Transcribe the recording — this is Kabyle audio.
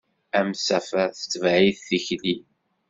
Amsafer tetbeɛ-it tikli.